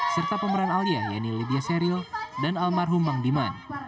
serta pemeran alia yeni lydia seril dan almarhum mang biman